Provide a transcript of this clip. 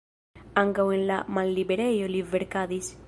Ankaŭ en la malliberejo li verkadis.